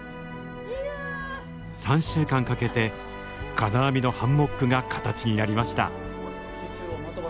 ３週間かけて金網のハンモックが形になりました。